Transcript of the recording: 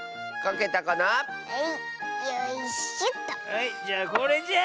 はいじゃあこれじゃ。